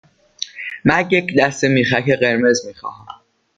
من یک دسته میخک قرمز می خواهم.